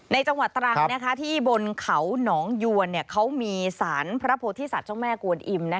ในจังหวัดตรังที่บนเขาหนองยวนเขามีสารพระโพธิสัตว์เจ้าแม่กวนอิ่ม